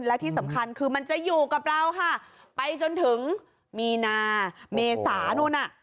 และที่สำคัญคือมันจะอยู่กับเราค่ะไปจนถึงมีนาเมษานู่นน่ะ